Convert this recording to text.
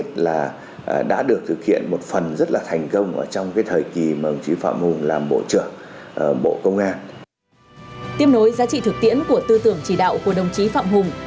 tiếp nối giá trị thực tiễn của tư tưởng chỉ đạo của đồng chí phạm hùng